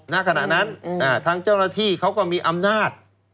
ณขณะนั้นทางเจ้าหน้าที่เขาก็มีอำนาจ